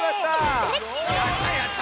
やったやった！